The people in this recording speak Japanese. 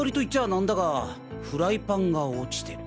なんだがフライパンが落ちてる。